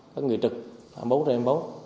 các người trực bố trên bố